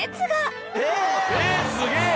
・すげえ。